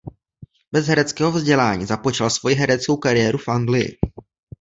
Bez hereckého vzdělání započal svoji hereckou kariéru v Anglii.